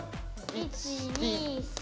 １２３！